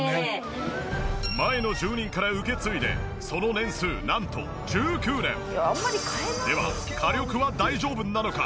前の住人から受け継いでその年数なんと１９年！では火力は大丈夫なのか？